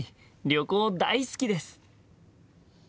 旅行大好きです！